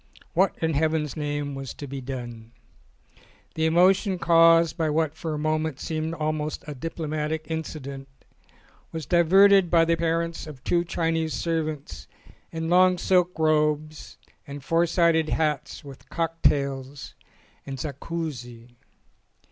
What in heaven's name was to be done? The emotion caused by what for a moment seemed almost a diplomatic incident was diverted by the appearance of two Chinese servants in long silk robes and four sided hats with cocktails and zakouski.